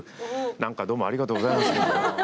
なんか、どうもありがとうございます。